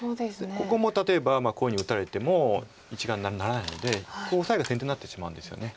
ここも例えばこういうふうに打たれても１眼にならないのでオサエが先手になってしまうんですよね。